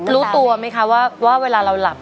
รู้ตัวไหมคะว่าเวลาเราหลับ